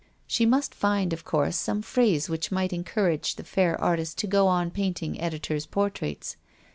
She must find, of course, some phrase which might encourage the fair artist to go on painting editors' portraits.